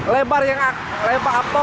lebar yang lebar apa